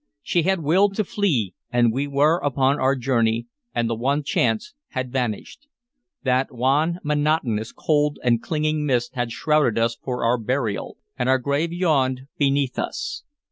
She had willed to flee, and we were upon our journey, and the one chance had vanished. That wan, monotonous, cold, and clinging mist had shrouded us for our burial, and our grave yawned beneath us.